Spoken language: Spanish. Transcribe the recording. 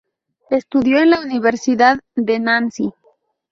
Estudió en la Universidad de Nancy.